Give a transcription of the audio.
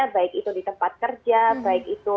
baik itu di tempat kerja baik itu